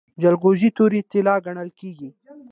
جلغوزي تورې طلا ګڼل کیږي.